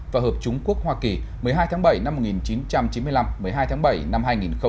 và hợp chúng quốc hoa kỳ một mươi hai tháng bảy năm một nghìn chín trăm chín mươi năm một mươi hai tháng bảy năm hai nghìn hai mươi